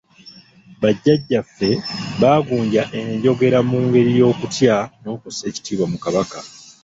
Bajjajjaffe baagunja enjogera mu ngeri y’okutya n’okussa ekitiibwa mu Kabaka.